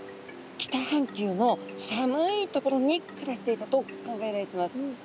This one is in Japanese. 北半球の寒い所に暮らしていたと考えられてます。